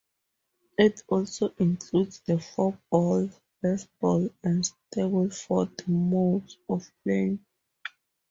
It also includes the Four Ball, Best Ball, and Stableford modes of play.